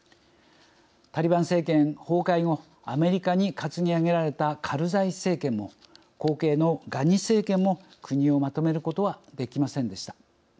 タリバン政権崩壊後アメリカに担ぎ上げられたカルザイ政権も後継のガニ政権も国をまとめることはできませんでした。